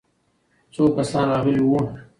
څو کسان راغلي وو؟